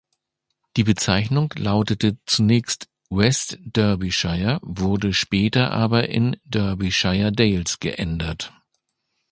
Die Bezeichnung lautete zunächst West Derbyshire, wurde später aber in Derbyshire Dales geändert.